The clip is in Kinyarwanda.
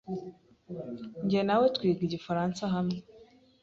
Jye nawe twiga Igifaransa hamwe.